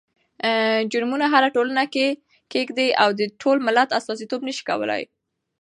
جرمونه هره ټولنه کې کېږي او دا د ټول ملت استازيتوب نه شي کولی.